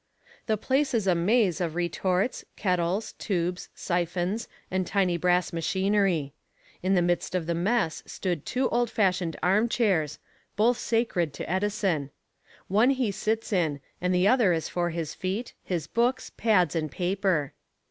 The place is a maze of retorts, kettles, tubes, siphons and tiny brass machinery. In the midst of the mess stood two old fashioned armchairs both sacred to Edison. One he sits in, and the other is for his feet, his books, pads and paper.